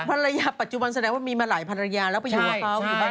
ปัจจุบันแสดงว่ามีมาหลายภรรยาแล้วไปอยู่กับเขา